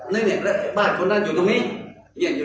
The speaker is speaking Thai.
ดูเนี่ยบ้านของเขานั่นอยู่แบบนี้